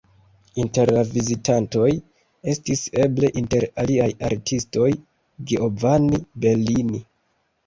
Inter la vizitantoj estis eble, inter aliaj artistoj, Giovanni Bellini.